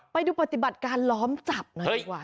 ไปดูปฏิบัติการล้อมจับหน่อยดีกว่า